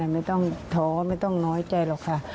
ไม่ต้องท้อไม่ต้องน้อยใจหรอกค่ะ